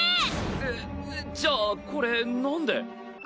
えっじゃあこれなんで？